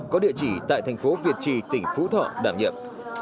có địa chỉ tại thành phố việt trì tỉnh phú thọ đảm nhiệm